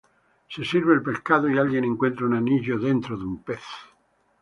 Se sirve el pescado y alguien encuentra un anillo dentro de un pez.